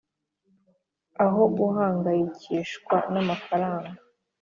Aho guhangayikishwa n amafaranga